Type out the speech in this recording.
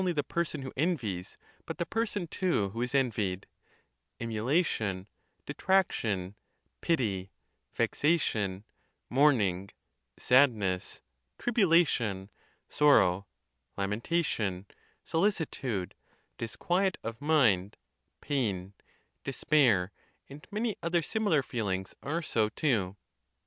the person who envies, but the person, too, who is envied—em ulation, detraction, pity, vexation, mourning, sadness, trib ulation, sorrow, lamentation, solicitude, disquiet of mind, pain, despair, and many other similar feelings are so too.